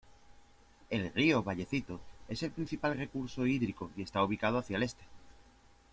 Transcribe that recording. El río Vallecito es el principal recurso hídrico y está ubicado hacia el este.